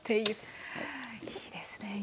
いいですね